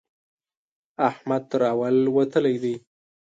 احمد تر اول وتلی دی.